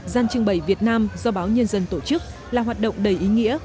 gian trưng bày việt nam do báo nhân dân tổ chức là hoạt động đầy ý nghĩa